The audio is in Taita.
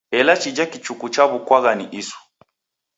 Ela chija kichuku chaw'ukwagha ni isu.